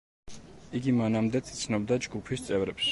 იგი მანამდეც იცნობდა ჯგუფის წევრებს.